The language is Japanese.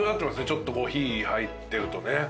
ちょっと火入ってるとね。